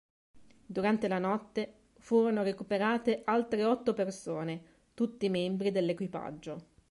Durante la notte, furono recuperate altre otto persone, tutti membri dell'equipaggio.